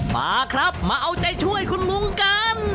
ปลาครับมาเอาใจช่วยคุณมุ้งกัน